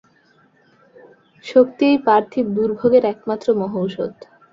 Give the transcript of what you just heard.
শক্তি এই পার্থিব দুর্ভোগের একমাত্র মহৌষধ।